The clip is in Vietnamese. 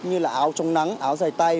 như là áo trong nắng áo dài tay